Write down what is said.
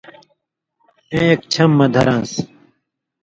ایں اک چھم مہ دھران٘س